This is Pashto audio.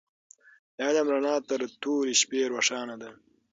د علم رڼا تر تورې شپې روښانه ده.